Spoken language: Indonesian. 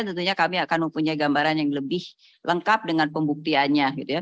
tentunya kami akan mempunyai gambaran yang lebih lengkap dengan pembuktiannya